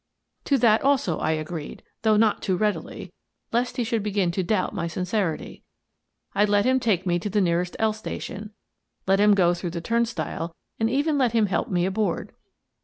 To that also I agreed, though not too readily, lest he should begin to doubt my sincerity. I let him take me to the nearest L station, let him go through the turnstile, and even let him help me aboard.